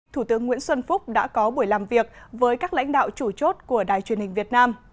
thủ tướng nguyễn xuân phúc đã có buổi làm việc với các lãnh đạo chủ chốt của đài truyền hình việt nam